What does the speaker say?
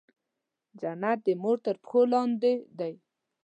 جنت د مور تر پښو لاندې دی.